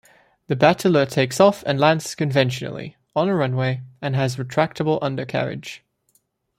The Bateleur takes off and lands conventionally, on a runway, and has retractable undercarriage.